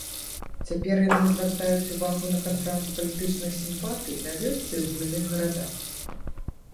Цяпер яны звяртаюць увагу на кантраст палітычных сімпатый на вёсцы і ў буйных гарадах.